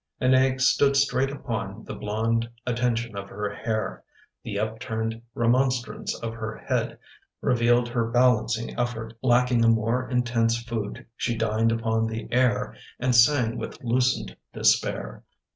An egg stood straight upon The blonde attention of her hair. The upturned remonstrance of her head Revealed her balancing effort Lacking a more intense food She dined upon the air And sang with loosened despair.